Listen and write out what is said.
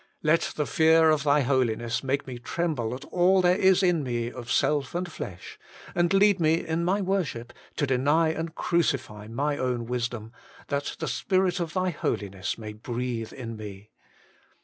Let the fear of Thy Holiness make me tremble at all there is in me of self and flesh, and lead me in my worship to deny and crucify my own wisdom, that the Spirit of Thy Holiness may breathe in me.